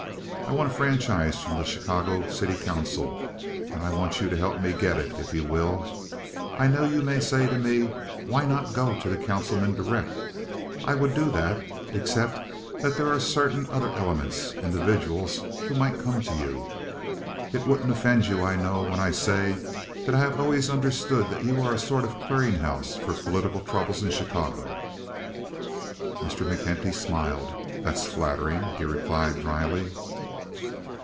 I want a franchise from the Chicago city council, and I want you to help me get it if you will. I know you may say to me why not go to the councilmen direct. I would do that, except that there are certain other elements—individuals—who might come to you. It won't offend you, I know, when I say that I have always understood that you are a sort of clearing house for political troubles in Chicago." Mr. McKenty smiled. "That's flattering," he replied, dryly.